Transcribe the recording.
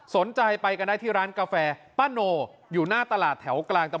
สนใจไปกันได้ที่ร้านกาแฟป้าโน่